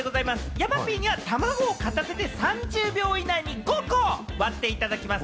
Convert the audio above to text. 山Ｐにはたまごを片手で３０秒以内に５個を割っていただきます。